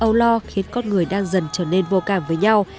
những toàn tính âu lo khiến con người đang dần trở nên vô cảm với nhau